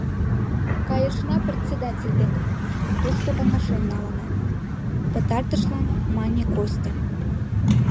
— Кайышна председатель дек, тушто каҥашен налына, — пытартышлан мане Костя.